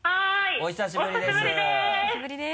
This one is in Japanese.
お久しぶりです。